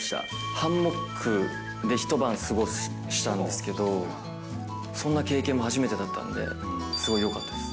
ハンモックで一晩過ごしたんですけど、そんな経験も初めてだったんで、すごいよかったです。